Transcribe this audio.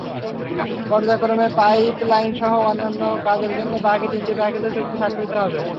পর্যায়ক্রমে পাইপলাইনসহ অন্যান্য কাজের জন্য বাকি তিনটি প্যাকেজের চুক্তি স্বাক্ষরিত হবে।